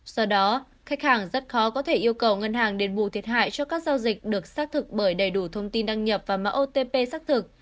do đó khách hàng rất khó có thể yêu cầu ngân hàng đền bù thiệt hại cho các giao dịch được xác thực bởi đầy đủ thông tin đăng nhập và mã otp xác thực